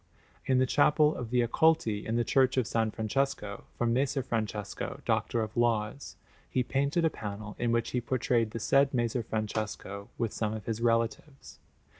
In the Chapel of the Accolti in the Church of S. Francesco, for Messer Francesco, Doctor of Laws, he painted a panel in which he portrayed the said Messer Francesco with some of his relatives.